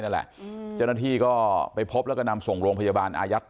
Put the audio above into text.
ทำร้ายจนเสียชีวิตเนี้ยเดี๋ยวเรื่องสภาพศพเดี๋ยวท่านรอฟัง